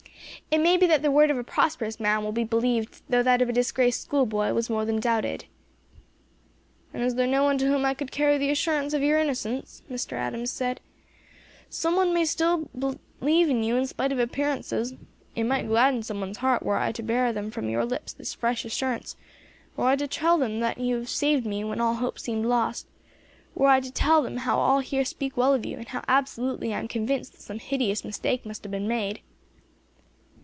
It may be that the word of a prosperous man will be believed though that of a disgraced schoolboy was more than doubted." "And is there no one to whom I could carry the assurance of your innocence?" Mr. Adams asked. "Some one may still be believing in you in spite of appearances. It might gladden some one's heart were I to bear them from your lips this fresh assurance; were I to tell them how you have saved me when all hope seemed lost; were I to tell them how all here speak well of you, and how absolutely I am convinced that some hideous mistake must have been made."